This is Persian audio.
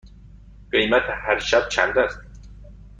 قیمت هر شب چند است؟